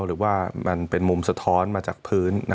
หรือว่ามันเป็นมุมสะท้อนมาจากพื้น